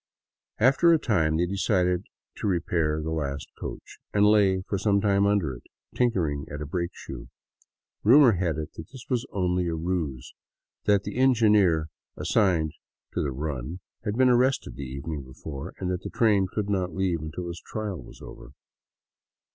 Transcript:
After a time they decided to repair the last coach, and lay for some time under it, tinkering at a brakeshoe. Rumor had it that this was only a ruse; that the engineer assigned to the run had been arrested the evening before, and that the train could not leave until his trial was over.